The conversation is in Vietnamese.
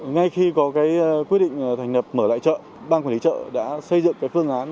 ngay khi có quyết định thành lập mở lại chợ ban quản lý chợ đã xây dựng phương án